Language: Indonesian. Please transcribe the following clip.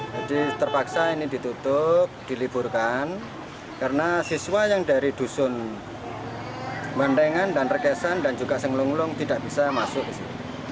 jadi terpaksa ini ditutup diliburkan karena siswa yang dari dusun mantengan dan regesan dan juga senglunglung tidak bisa masuk ke sini